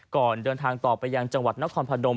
ก่อนเดินทางต่อไปยังจังหวัดนครพนม